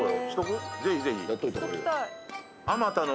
ぜひぜひやっといた方がいいよ